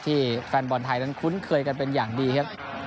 แฟนบอลไทยนั้นคุ้นเคยกันเป็นอย่างดีครับ